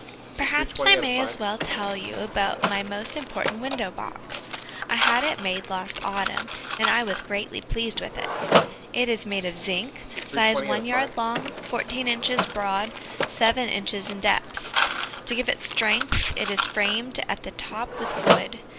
Perhaps I may as well tell you about my most important window box. I had it made last autumn, and I was greatly pleased with it. It is made of zinc, size one yard long, fourteen inches broad, seven inches in depth. To give it strength it is framed at the top with wood.